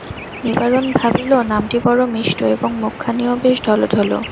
নিবারণ ভাবিল, নামটি বড়ো মিষ্ট এবং মুখখানিও বেশ ঢলোঢলো।